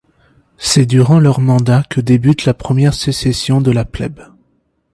C'est durant leur mandat que débute la première sécession de la plèbe.